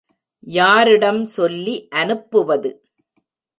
யாரிடம் சொல்லி அனுப்புவது?